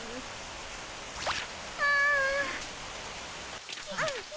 ああ。